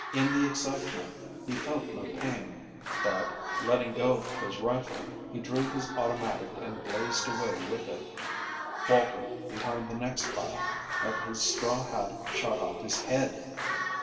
In the excitement he felt no pain, but, letting go his rifle, he drew his automatic and blazed away with it. Walter, behind the next pile, had his straw hat shot off his head.